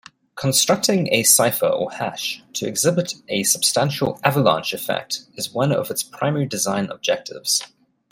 Constructing a cipher or hash to exhibit a substantial avalanche effect is one of its primary design objectives.